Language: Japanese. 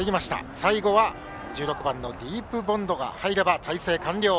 最後は１６番のディープボンドが入れば態勢完了。